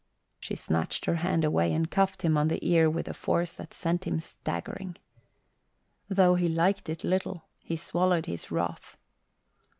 She snatched her hand away and cuffed him on the ear with a force that sent him staggering. Though he liked it little, he swallowed his wrath.